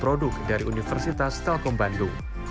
produk dari universitas telkom bandung